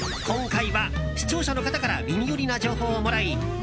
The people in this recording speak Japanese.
今回は視聴者の方から耳寄りな情報をもらい